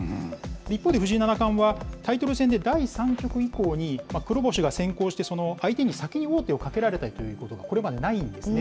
一方で、藤井七冠はタイトル戦で第３局以降に黒星が先行して、相手に先に王手をかけられたということはこれまでないんですね。